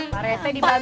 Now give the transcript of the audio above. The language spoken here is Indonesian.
pak rt dibalik